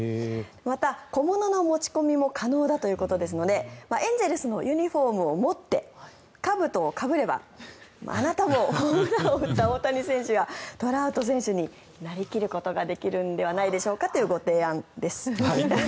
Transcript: また、小物の持ち込みも可能だということですのでエンゼルスのユニホームを持ってかぶとをかぶればあなたもホームランを打った大谷選手やトラウト選手になり切ることができるんじゃないでしょうかというご提案です。